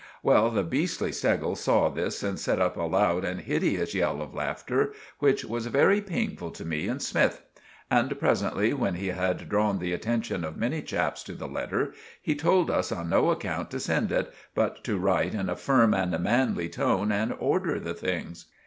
Well, the beestly Steggles saw this and set up a loud and hideous yell of laughter which was very paneful to me and Smythe. And presently, when he had drawn the attenshun of many chaps to the letter, he told us on no account to send it, but to write in a firm and manly tone and order the things.